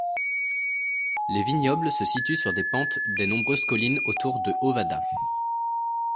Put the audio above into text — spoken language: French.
Les vignobles se situent sur des pentes des nombreuses collines autour de Ovada.